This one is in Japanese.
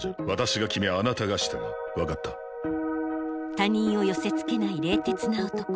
他人を寄せつけない冷徹な男。